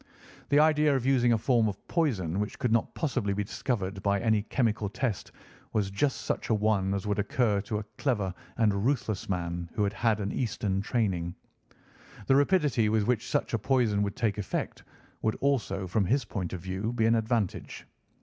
The idea of using a form of poison which could not possibly be discovered by any chemical test was just such a one as would occur to a clever and ruthless man who had had an Eastern training. The rapidity with which such a poison would take effect would also, from his point of view, be an advantage.